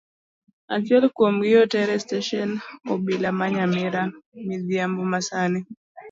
Achiel kuomgi oter estesend obila ma nyamira midhiambo masani.